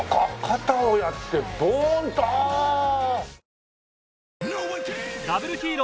肩をやってボーンとああ！